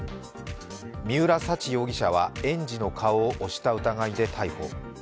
三浦沙知容疑者は園児の顔を押した疑いで逮捕。